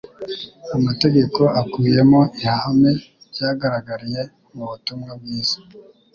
Amategeko akubiyemo ihame ryagaragariye mu butumwa bwiza.